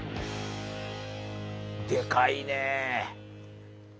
でかいねえ。